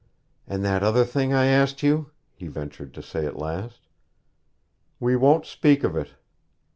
'And that other thing I asked you?' he ventured to say at last. 'We won't speak of it.'